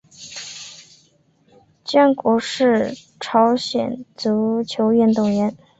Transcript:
姜国哲朝鲜足球运动员。